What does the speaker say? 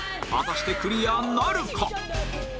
果たしてクリアなるか？